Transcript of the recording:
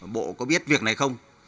bộ có biết việc này không